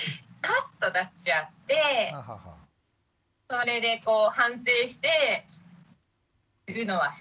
カッとなっちゃってそれでこう反省しているのはすごくよく見ます。